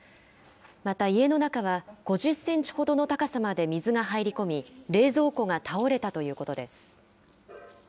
また、家の中は５０センチほどの高さまで水が入り込み、冷蔵庫が倒れたということです。